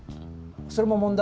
それも問題？